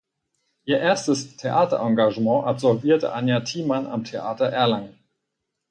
Ihr erstes Theaterengagement absolvierte Anja Thiemann am Theater Erlangen.